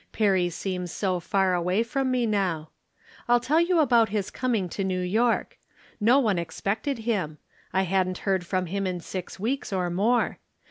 Perry seems so far away from me now. I'U tell you about his coming to New York. No one expected him. I hadn't heard from him in six weeks or more.